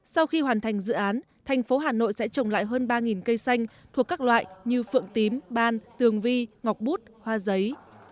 sau khi hoàn thành dự án thành phố hà nội sẽ trồng lại hơn ba cây xanh thuộc các loại như phượng tím ban tường vi ngọc bút hoa giấy